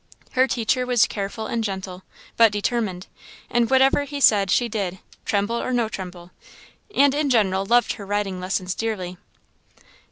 Her teacher was careful and gentle, but determined; and whatever he said she did, tremble or no tremble; and, in general, loved her riding lessons dearly.